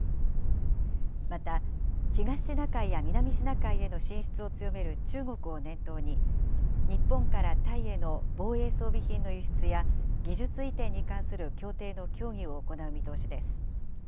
また、東シナ海や南シナ海への進出を強める中国を念頭に、日本からタイへの防衛装備品の輸出や技術移転に関する協定の協議を行う見通しです。